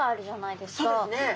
そうですね。